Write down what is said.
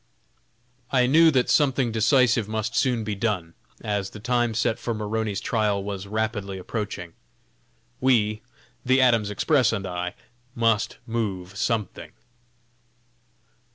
I knew that something decisive must soon be done, as the time set for Maroney's trial was rapidly approaching. We the Adams Express and I must move something.